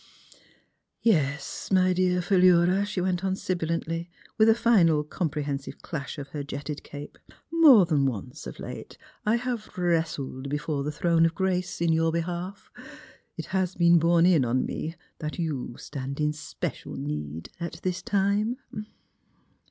Yes s s, my dear Philura," she went on sibi lantly, with a final comprehensive clash of her jetted cape, " more than once of late I have wr wrestled before the Throne of Grace in your behalf. It has been borne in on me that you stand in special need at this time."